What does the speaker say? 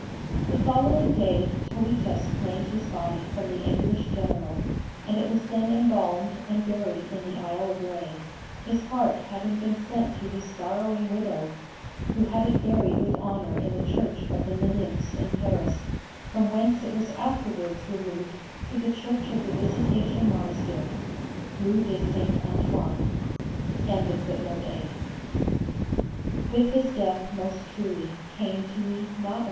The following day Toitas claimed his body from the English General, and it was then embalmed and buried in the Isle of Ré, his heart having been sent to his sorrowing widow, who had it buried with honour in the church of the Minims in Paris, from whence it was afterwards removed to the Church of the Visitation Monastery, Rue St. Antoine." LXXV. _To Mother Jeanne Hélène de Gérard, Superior at Embrun.